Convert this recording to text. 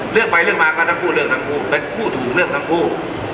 เลือกไปเลือกมาก็ทั้งคู่เลือกทั้งคู่เป็นคู่ถูกเลือกทั้งคู่